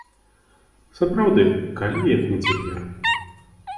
Сапраўды, калі як не цяпер?